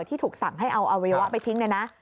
ที่ถูกสั่งให้เอาอเววะไปทิ้งด้วยนะ